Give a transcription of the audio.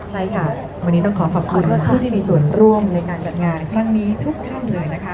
ทำอย่างไหลตกขอบคุณท่านที่มีส่วนร่วมในการจัดงานทุกขั้นเลยนะคะ